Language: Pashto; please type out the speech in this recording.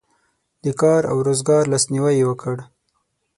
د کار او روزګار لاسنیوی یې وکړ.